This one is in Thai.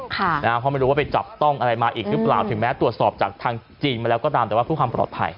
เพราะไม่รู้ว่าไปจับต้องอะไรมาอีกหรือเปล่าถึงแม้ตรวจสอบจากทางจีนมาแล้วก็ตามแต่ว่าเพื่อความปลอดภัย